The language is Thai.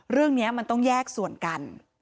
เรื่องนี้มันต้องแยกส่วนกัน